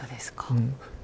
うん。